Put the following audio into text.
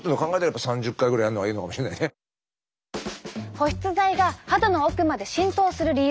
保湿剤が肌の奥まで浸透する理由。